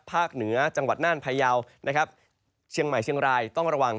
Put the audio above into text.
เหนือจังหวัดน่านพยาวนะครับเชียงใหม่เชียงรายต้องระวัง